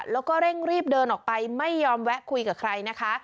แล้วก็เร่งรีบเดินออกไปไม่ยอมแวะคุยกับใครนะคะ